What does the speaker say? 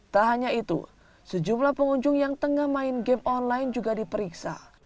tak hanya itu sejumlah pengunjung yang tengah main game online juga diperiksa